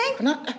eh kenapa neng